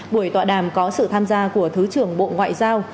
buổi tọa đàm có sự tham gia của thứ trưởng bộ ngoại giao